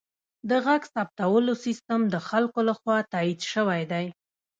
د غږ ثبتولو سیستم د خلکو لخوا تایید شوی دی.